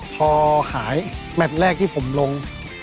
พอหายแมทแรกที่ผมลง